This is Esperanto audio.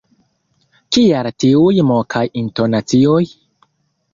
Kial tiuj mokaj intonacioj?